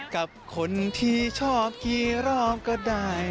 กับคนที่ชอบกี่รอบก็ได้